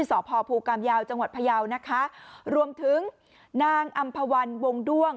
สพภูกรรมยาวจังหวัดพยาวนะคะรวมถึงนางอำภาวันวงด้วง